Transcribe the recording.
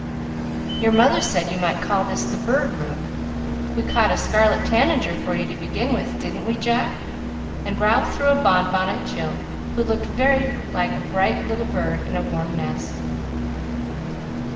"Your mother said you might call this the Bird Room. We caught a scarlet tanager for you to begin with, didn't we, Jack?" and Ralph threw a bon bon at Jill, who looked very like a bright little bird in a warm nest.